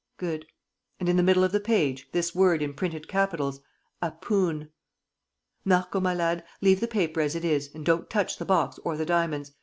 ... Good. ... And, in the middle of the page, this word in printed capitals: 'APOON.' Marco, my lad, leave the paper as it is and don't touch the box or the diamonds.